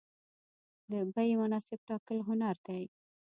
د بیې مناسب ټاکل هنر دی.